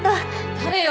誰よ？